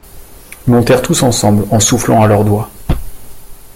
Montèrent tous ensemble En soufflant à leurs doigts.